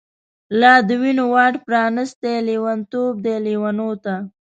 لا د وینو واټ پرانیستۍ، لیونتوب دی لیونوته